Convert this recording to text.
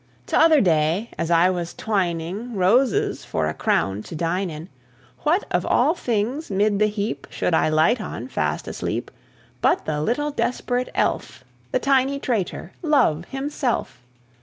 T'other day as I was twining Roses, for a crown to dine in, What, of all things, 'mid the heap, Should I light on, fast asleep, But the little desperate elf, The tiny traitor, Love, himself!